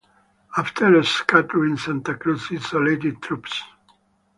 After scattering Santa Cruz's isolated troops.